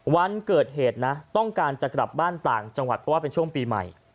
วันเกิดเหตุนะต้องการจะกลับบ้านต่างจังหวัดเพราะว่าเป็นช่วงปีใหม่